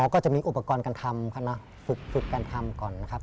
ก็จะมีอุปกรณ์การทำคณะฝึกการทำก่อนนะครับ